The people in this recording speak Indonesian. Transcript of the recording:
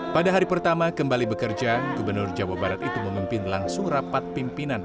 pada hari pertama kembali bekerja gubernur jawa barat itu memimpin langsung rapat pimpinan